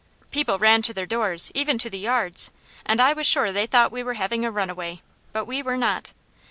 People ran to their doors, even to the yards, and I was sure they thought we were having a runaway, but we were not.